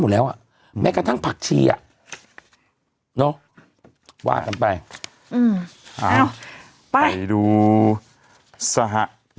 แล้วอ่ะแม้กระทั่งผักชีอ่ะเนอะว่ากันไปอืมอ่าไปไปดูสหะ